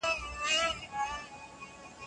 ښوونځي زدهکوونکي د ساینس مفاهیم زده کوي.